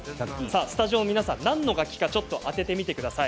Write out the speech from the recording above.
スタジオの皆さん何の楽器かあててみてください。